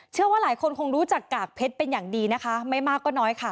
เชื่อว่าหลายคนคงรู้จักกากเพชรเป็นอย่างดีนะคะไม่มากก็น้อยค่ะ